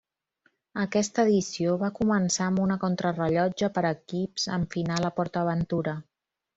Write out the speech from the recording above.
Aquesta edició va començar amb una contrarellotge per equips amb final a Port Aventura.